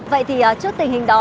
vậy thì trước tình hình đó